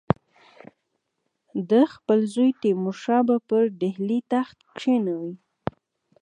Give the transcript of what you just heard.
ده خپل زوی تیمورشاه به پر ډهلي تخت کښېنوي.